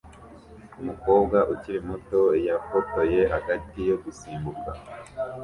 Umukobwa ukiri muto yafotoye hagati yo gusimbuka